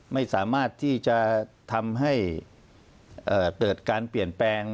ไม่สามารถที่จะทำให้เกิดการเปลี่ยนแปลง